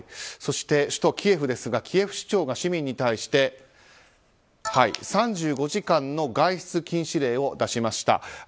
そして首都キエフですがキエフ市長が市民に対して３５時間の外出禁止令を出しました。